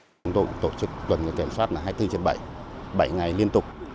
chúng tôi tổ chức tuần kiểm soát hai mươi bốn h bảy bảy ngày liên tục